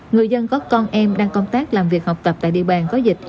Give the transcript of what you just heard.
người dân có con em đang công tác làm việc học tập tại địa bàn có dịch